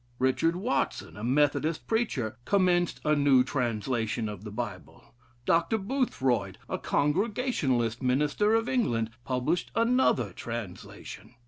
Richard Watson, a Methodist preacher, commenced a new translation of the Bible. Dr. Boothroyd, a Congregationalist minister of England, published another translation.